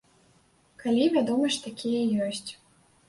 Калі, вядома ж, такія ёсць.